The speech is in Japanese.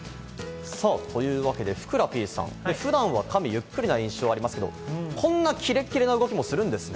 ふくらＰさん、普段はカメ、ゆっくりの印象ありますけれど、こんなキレッキレな動きもするんですね。